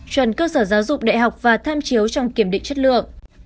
chuẩn cơ sở giáo dục đại học và tham chiếu trong kiểm định chất lượng